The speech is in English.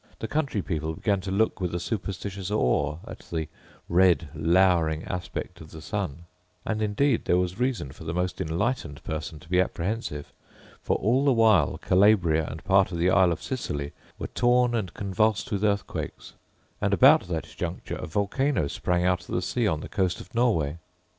The country people began to look with a superstitious awe, at the red, louring aspect of the sun; and indeed there was reason for the most enlightened person to be apprehensive; for, all the while, Calabria and part of the isle of Sicily, were torn and convulsed with earthquakes; and about that juncture a volcano sprung out of the sea on the coast of Norway.